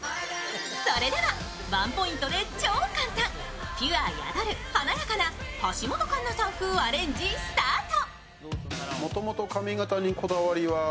それではワンポイントで超簡単、ピュア宿る華やかな橋本環奈さん風アレンジ、スタート。